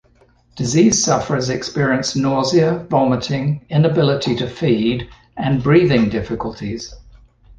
Disease sufferers experience nausea, vomiting, inability to feed, and breathing difficulties.